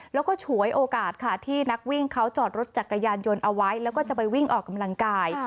แล้วก็ฉวยโอกาสค่ะที่นักวิ่งเขาจอดรถจักรยานยนต์เอาไว้แล้วก็จะไปวิ่งออกกำลังกาย